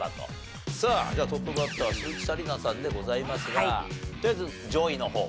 さあじゃあトップバッター鈴木紗理奈さんでございますがとりあえず上位の方。